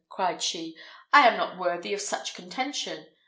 cried she; "I am not worthy of such contention.